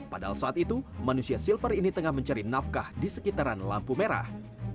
padahal saat itu manusia silver ini tengah mencari nafkah di sekitaran lampu merah